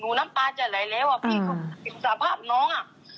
หนูที่น้ำปลาจะไหลแล้วมีหนูอยู่สมภัยบน้อง